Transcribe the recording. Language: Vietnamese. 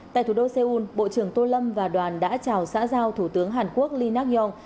tại thủ đô seoul bộ trưởng tô lâm và đoàn đã chào xã giao thủ tướng hàn quốc lee nak yong